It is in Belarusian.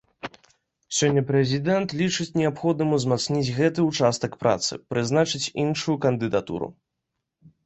Сёння прэзідэнт лічыць неабходным узмацніць гэты ўчастак працы, прызначыць іншую кандыдатуру.